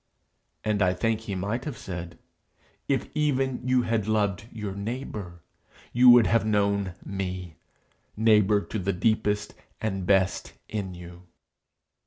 And I think he might have said, 'If even you had loved your neighbour, you would have known me, neighbour to the deepest and best in you.'